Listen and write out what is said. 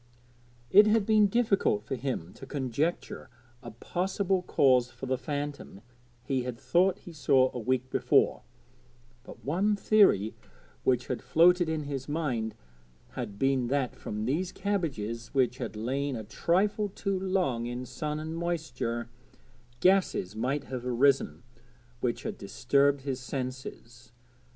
It had been difficult for him to conjecture a possible cause for the phantom he had thought he saw a week before, but one theory which had floated in his mind had been that from these cabbages, which had lain a trifle too long in sun and moisture; gases might have arisen which had disturbed his senses.